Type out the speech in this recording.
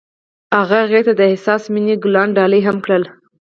هغه هغې ته د حساس مینه ګلان ډالۍ هم کړل.